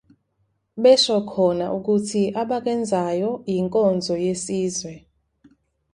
Besho khona ukuthi abakwenzayo yinkonzo yesizwe.